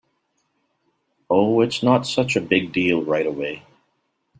Oh, it’s not such a big deal right away.